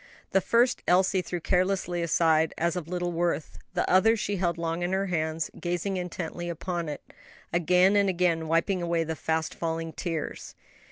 The first Elsie threw carelessly aside, as of little worth; the other she held long in her hands; gazing intently upon it, again and again wiping away the fast falling tears.